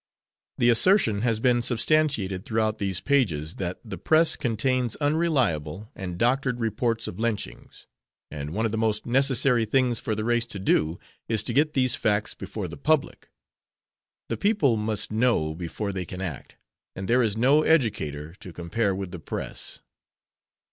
The assertion has been substantiated throughout these pages that the press contains unreliable and doctored reports of lynchings, and one of the most necessary things for the race to do is to get these facts before the public. The people must know before they can act, and there is no educator to compare with the press.